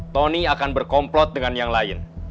tony akan berkomplot dengan yang lain